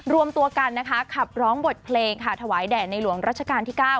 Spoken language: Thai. รวมตัวกันนะคะขับร้องบทเพลงค่ะถวายแด่ในหลวงรัชกาลที่๙